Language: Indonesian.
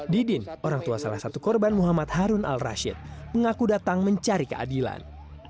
didin orang tua salah satu korban muhammad harun al rashid mengaku datang mencari keadilan